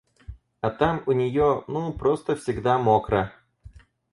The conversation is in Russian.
А там у нее, ну, просто всегда мокро.